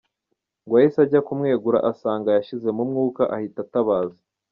Ngo yahise ajya kumwegura asanga yashizemo umwuka, ahita atabaza.